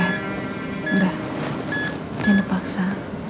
halnya seperti ini